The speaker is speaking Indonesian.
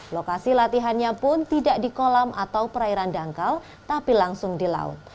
lokasi latihannya pun tidak di kolam atau perairan dangkal tapi langsung di laut